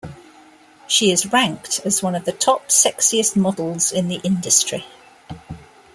She is ranked as one of the 'Top Sexiest models in the industry.